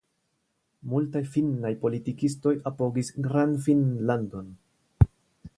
Multaj finnaj politikistoj apogis Grandfinnlandon.